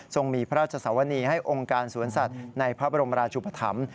มีพระราชสวนีให้องค์การสวนสัตว์ในพระบรมราชุปธรรม